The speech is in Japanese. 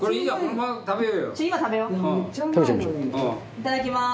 いただきます。